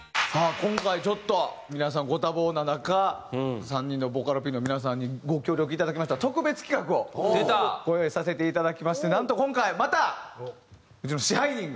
今回ちょっと皆さんご多忙な中３人のボカロＰの皆さんにご協力いただきました特別企画をご用意させていただきましてなんと今回またうちの支配人が。